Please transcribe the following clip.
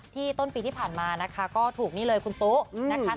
ต้นปีที่ผ่านมานะคะก็ถูกนี่เลยคุณตู้นะคะ